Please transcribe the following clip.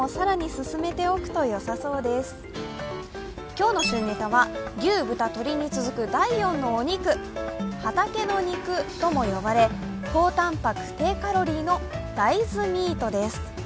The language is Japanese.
今日の旬ネタは牛、豚、鶏に続く第４のお肉、畑の肉とも呼ばれ、高たんぱく、低カロリーの大豆ミートです。